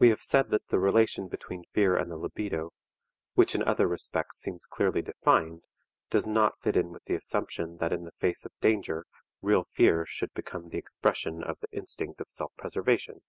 We have said that the relation between fear and the libido, which in other respects seems clearly defined, does not fit in with the assumption that in the face of danger real fear should become the expression of the instinct of self preservation.